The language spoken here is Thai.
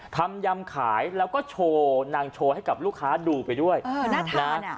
ทำยำขายแล้วก็โชว์นางโชว์ให้กับลูกค้าดูไปด้วยเออน่าทานอ่ะ